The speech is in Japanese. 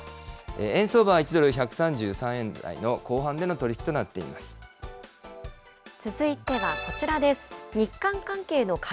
円相場は１ドル１３３円台の後半続いてはこちらです。